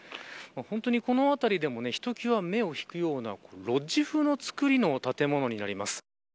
本当に、この辺りでもひときわ目をひくようなロッジふうの造りの建物になります。